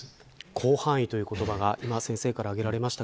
広範囲という言葉が先生からあげられました。